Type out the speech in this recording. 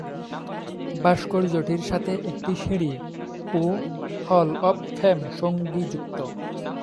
ভাস্কর্যটির সাথে একটি সিঁড়ি ও "হল অব ফেম" সঙ্গিযুক্ত।